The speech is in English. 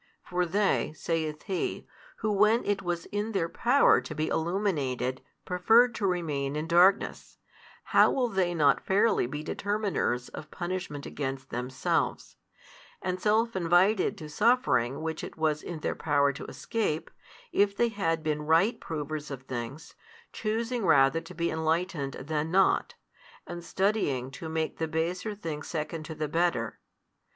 For they, saith He, who when it was in their power to be illuminated preferred to remain in darkness, how will not they fairly be determiners of punishment against themselves, and self invited to suffering which it was in their power to escape, if they had been right provers of things, choosing rather to be enlightened than not, and studying to make the baser things second to the better?